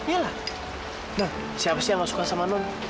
iya lah siapa sih yang gak suka sama non